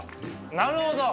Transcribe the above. なるほど。